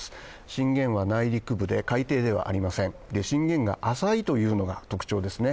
震源は内陸部で海底ではありません、震源が浅いというのが特徴ですね。